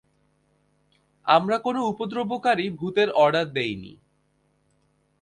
আমরা কোন উপদ্রবকারী ভুতের অর্ডার দিইনি।